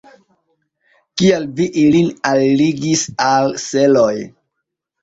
Kial vi ilin alligis al seloj?